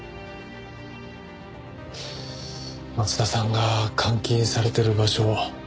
松田さんが監禁されてる場所